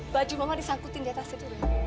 baju mama disangkutin jatah sendiri